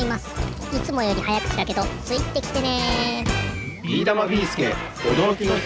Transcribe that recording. いつもよりはやくちだけどついてきてね。